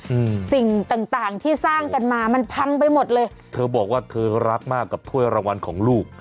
อืมสิ่งต่างต่างที่สร้างกันมามันพังไปหมดเลยเธอบอกว่าเธอรักมากกับถ้วยรางวัลของลูก